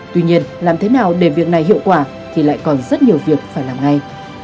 tuy nhiên làm thế nào để việc này hiệu quả thì lại còn rất nhiều việc phải làm ngay